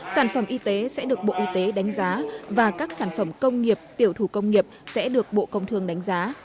sản phẩm y tế sẽ được bộ y tế đánh giá và các sản phẩm công nghiệp tiểu thủ công nghiệp sẽ được bộ công thương đánh giá